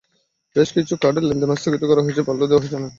বেশ কিছু কার্ডের লেনদেন স্থগিত করা হয়েছে, পাল্টেও দেওয়া হয়েছে অনেক কার্ড।